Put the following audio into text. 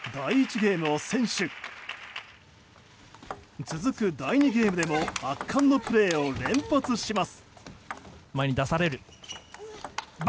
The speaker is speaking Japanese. ゲームでも圧巻のプレーを連発します。